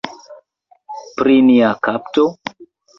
Pri nia kapto?